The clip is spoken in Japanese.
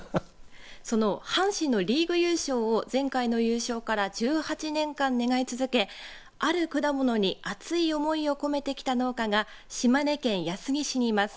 その阪神のリーグ優勝を前回の優勝から１８年間、願い続けある果物に熱い思いを込めてきた農家が島根県安来市にいます。